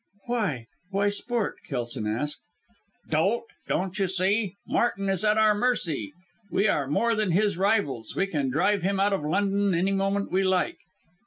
"Why? Why sport?" Kelson asked. "Dolt! Don't you see! Martin is at our mercy. We are more than his rivals. We can drive him out of London any moment we like.